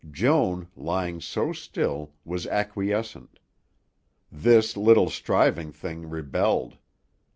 Joan, lying so still, was acquiescent; this little striving thing rebelled.